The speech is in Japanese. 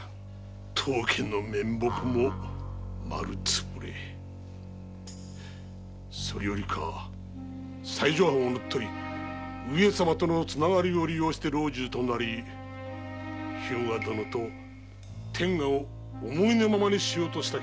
当家の面目も丸つぶれそれよりか西条藩を乗っ取り上様とのつながりを利用して老中となり日向殿と天下を思いのままにしようとした計画も水の泡。